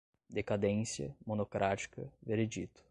decadência, monocrática, veredito